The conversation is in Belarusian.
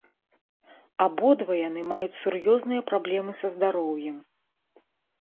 Абодва яны маюць сур'ёзныя праблемы са здароўем.